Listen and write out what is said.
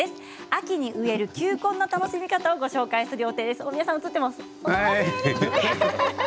秋に植える球根の楽しみ方をご紹介する予定です。